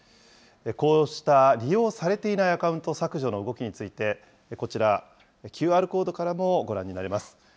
こうした利用されていないアカウント削除の動きについて、こちら、ＱＲコードからもご覧になれます。